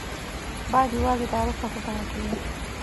باید یوازې تاریخ ته په تمه کېنو.